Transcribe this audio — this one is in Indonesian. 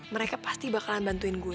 mereka pasti bakalan bantuin gue